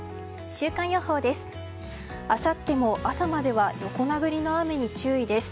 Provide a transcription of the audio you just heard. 週間予報です。